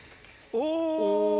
お。